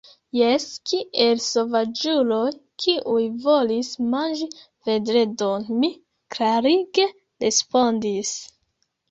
Jes, kiel la sovaĝuloj, kiuj volis manĝi Vendredon, mi klarige respondis.